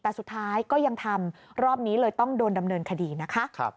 แต่สุดท้ายก็ยังทำรอบนี้เลยต้องโดนดำเนินคดีนะคะ